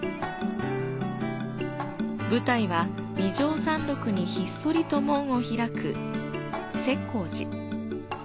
舞台は二上山麓にひっそりと門を開く石光寺。